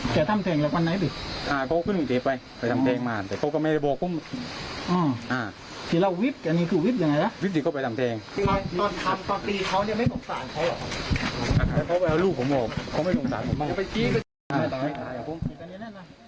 มีวิบอีงอันยังงี้อยากจะเพิ่งเพิ่งทำแทง